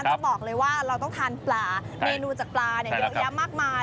ต้องบอกเลยว่าเราต้องทานปลาเมนูจากปลาเยอะแยะมากมาย